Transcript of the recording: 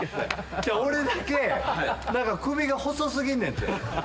俺だけ何か首が細過ぎるねんて。